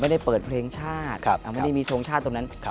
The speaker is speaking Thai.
ไม่ได้เปิดเพลงชาติไม่ได้มีทรงชาติตรงนั้น